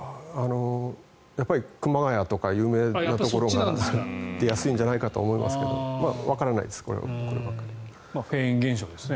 熊谷とか有名なところが出やすいんじゃないかと思いますがフェーン現象ですね。